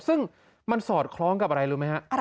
ซึ่งมันสอดคล้องกับอะไรรู้ไหมฮะ